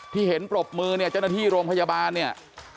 ที่เห็นปรบมือเนี่ยเจ้าหน้าที่โรงพยาบาลเนี่ย